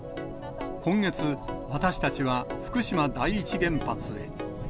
今月、私たちは福島第一原発へ。